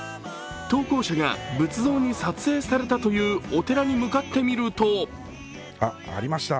投稿者が仏像に撮影されたという寺に向かってみるとありました、